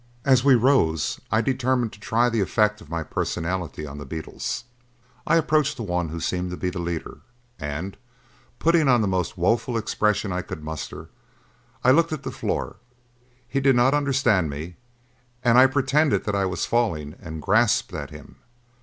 As we rose I determined to try the effect of my personality on the beetles. I approached the one who seemed to be the leader and, putting on the most woeful expression I could muster, I looked at the floor. He did not understand me and I pretended that I was falling and grasped at him.